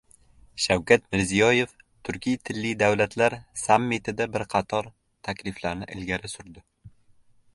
Shavkat Mirziyoyev Turkiy tilli davlatlar sammitida bir qator takliflarni ilgari surdi